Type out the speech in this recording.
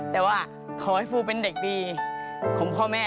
แต่ว่าขอให้ฟูเป็นเด็กดีของพ่อแม่